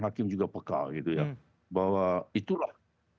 hakim juga peka gitu ya bahwa itulah